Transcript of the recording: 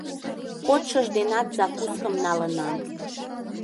Кодшыж денат закускым налынам.